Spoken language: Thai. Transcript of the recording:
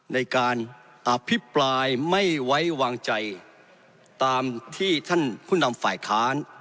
ในการอภิปรายไม่ไว้วางใจตามที่ท่านผู้นำฝ่ายค้าน